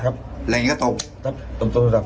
บอกมาร์สเตอร์โทรศัพท์